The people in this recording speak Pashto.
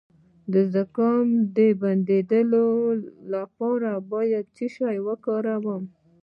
د زکام د بندیدو لپاره باید څه شی وکاروم؟